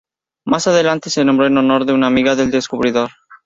Más adelante se nombró en honor de una amiga del descubridor.